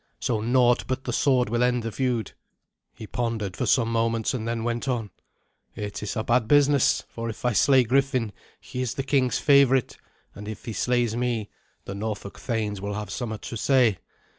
So naught but the sword will end the feud." He pondered for some moments, and then went on, "It is a bad business; for if I slay Griffin, he is the king's favourite; and if he slays me, the Norfolk thanes will have somewhat to say.